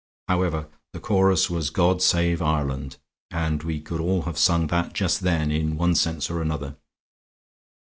However, the chorus was 'God save Ireland,' and we could all have sung that just then, in one sense or another.